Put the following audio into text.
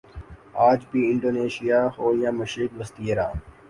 آج بھی انڈونیشیا ہو یا مشرق وسطی ایران